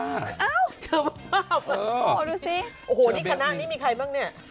เอ้าเชอร์เบลโอ้โหดูสิโอ้โหนี่คณะนี้มีใครบ้างนี่